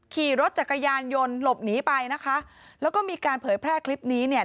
ขี่รถจักรยานยนต์หลบหนีไปนะคะแล้วก็มีการเผยแพร่คลิปนี้เนี่ย